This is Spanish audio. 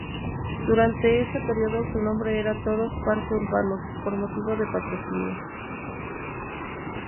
Durante ese periodo su nombre era Toros Parque Urbanos, por motivo de patrocinio.